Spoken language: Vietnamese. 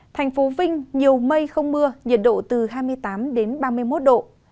thành phố vinh nhiều mây không mưa nhiệt độ từ hai mươi tám đến ba mươi một độ